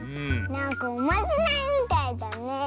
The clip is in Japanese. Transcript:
なんかおまじないみたいだね。